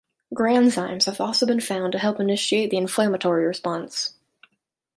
Granzymes have also been found to help initiate the inflammatory response.